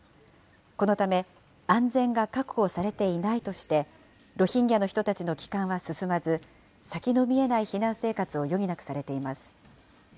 このため、安全が確保されていないとして、ロヒンギャの人たちの帰還は進まず、先の見えない避難生活を余儀なくされています。